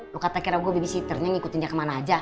lo kata kira gue babysitternya ngikutin dia kemana aja